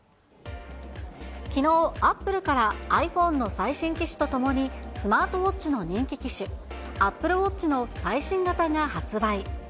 きのう、アップルからｉＰｈｏｎｅの最新機種とともに、スマートウォッチの人気機種、ＡｐｐｌｅＷａｔｃｈの最新型が発売。